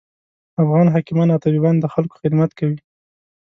افغان حکیمان او طبیبان د خلکوخدمت کوي